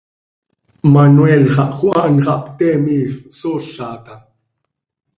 Manuel xah, Juan xah, pte miifp, sooza taa.